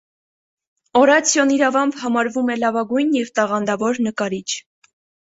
Օրացիոն իրավամբ համարվում է լավագույն և տաղանդավոր նկարիչ։